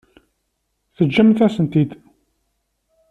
Teǧǧamt-asen-tt-id.